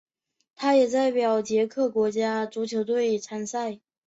他也代表捷克国家足球队参赛。